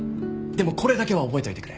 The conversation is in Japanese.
でもこれだけは覚えといてくれ。